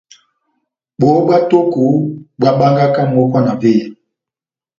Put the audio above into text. Bohó bwá tóko bohábángaka mókwa na véya.